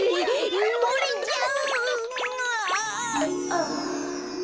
あっ。